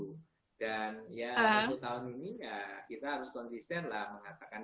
dan ya untuk tahun ini ya kita harus konsisten lah mengatakan